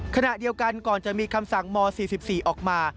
ขณะเดียวกันก่อนจะมีคำสั่งม๔๔ออกมา